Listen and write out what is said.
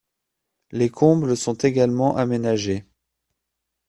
Les combles sont également aménagés.